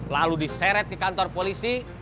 lalu diseret di kantor polisi